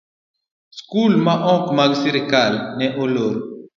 skul ma ok mag sirkal ne olor.